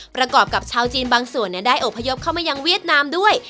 ประกอบกับชาวจีนบางส่วนได้อบพยพเข้ามายังเวียดนามด้วย